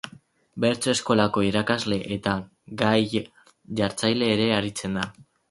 Bertso-eskolako irakasle eta gai-jartzaile ere aritzen da.